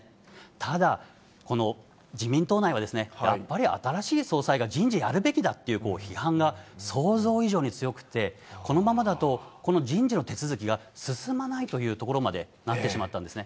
ただ、この自民党内はですね、やっぱり新しい総裁が人事、やるべきだっていう批判が想像以上に強くて、このままだと、この人事の手続きが進まないというところまでなってしまったんですね。